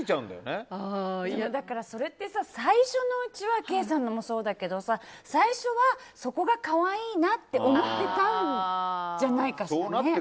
それって最初のうちはケイさんのもそうだけどさ最初はそこが可愛いなって思ってたんじゃないかしらね。